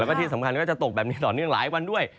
แล้วก็ที่สำคัญก็จะตกแบบนี้ต่อเนื่องหลายวันด้วย